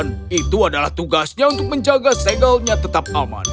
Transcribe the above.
dia adalah pangeran itu adalah tugasnya untuk menjaga segalnya tetap aman